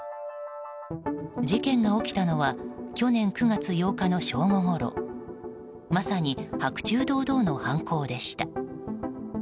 事件が起きたのは去年９月８日の正午ごろまさに白昼堂々の犯行でした。